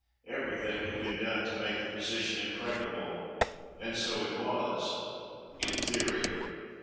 Everything had been done to make the position impregnable, and so it was in theory.